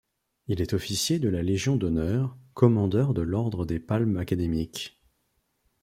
Il est officier de la Légion d'honneur, commandeur de l'Ordre des Palmes académiques.